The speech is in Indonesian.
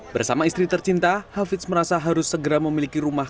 bersama istri tercinta hafiz merasa harus segera memiliki rumah